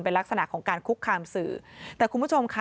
เป็นลักษณะของการคุกคามสื่อแต่คุณผู้ชมค่ะ